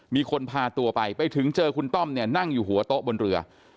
มีคนพาตัวไปไปถึงเจอคุณต้อมเนี่ยนั่งอยู่หัวโต๊ะบนเรือ